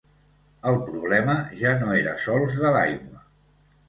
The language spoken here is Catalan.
El problema ja no era sols de l’aigua.